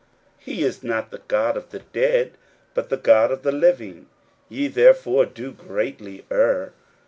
41:012:027 He is not the God of the dead, but the God of the living: ye therefore do greatly err.